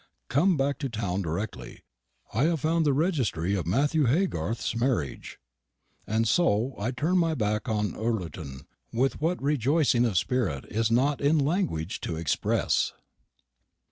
"Come back to town directly. I have found the registry of Matthew Haygarth's marriage." And so I turn my back on Ullerton; with what rejoicing of spirit it is not in language to express.